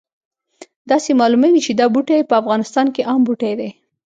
داسې معلومیږي چې دا بوټی په افغانستان کې عام بوټی دی